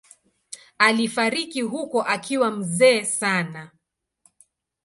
Alifariki huko akiwa mzee sana.